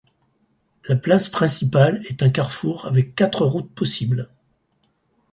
La place principale est un carrefour avec quatre routes possibles.